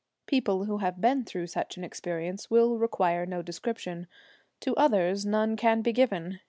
People who have been through such an experience will require no description. To others none can be given.